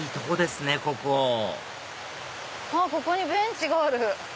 ここここにベンチがある。